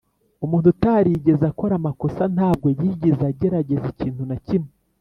umuntu utarigeze akora amakosa ntabwo yigeze agerageza ikintu na kimwe.